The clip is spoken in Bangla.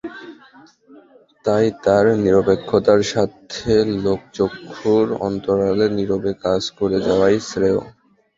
তাই তাঁর নিরপেক্ষতার স্বার্থে লোকচক্ষুর অন্তরালে, নীরবে কাজ করে যাওয়াই শ্রেয়।